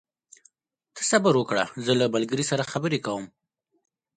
ته صبر وکړه، زه له ملګري سره خبرې کوم.